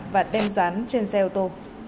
và đem rán trên xe ô tô